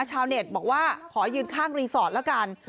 ชาวเน็ตบอกว่าขอยืนข้างรีสอร์ทแล้วกัน